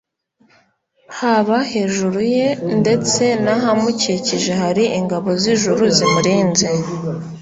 Haba hejuru ye ndetse nahamukikije hari ingabo zijuru zimurinze